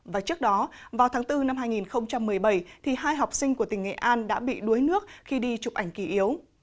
và trước đó vào tháng bốn năm hai nghìn một mươi bảy hai học sinh của tỉnh nghệ an đã bị đuối nước khi đi chụp ảnh kỳ yếu